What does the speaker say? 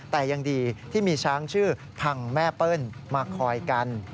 แต่ยังดีที่มีช้างชื่อพังแม่เปิ้ลมาคอยกัน